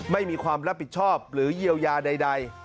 ไม่มีความรับผิดชอบหรือเยียวยาใด